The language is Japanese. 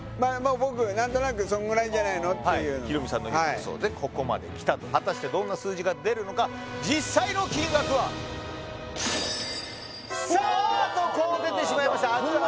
僕何となくそんぐらいじゃないのっていうヒロミさんの予想でここまできたと果たしてどんな数字が出るのか実際の金額は？さあ！とこう出てしまいました